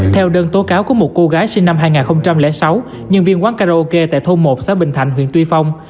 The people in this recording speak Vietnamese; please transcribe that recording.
theo đơn tố cáo của một cô gái sinh năm hai nghìn sáu nhân viên quán karaoke tại thôn một xã bình thạnh huyện tuy phong